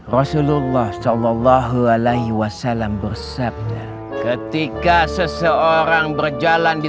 rasulullah shallallahu alaihi wasallam bersabda ketika seseorang berjalan di